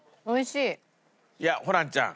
いやホランちゃん